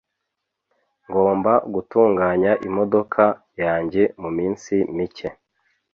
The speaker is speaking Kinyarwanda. Ngomba gutunganya imodoka yanjye muminsi mike.